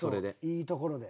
いいところで。